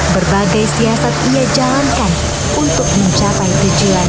berbagai siasat ia jalankan untuk mencapai tujuan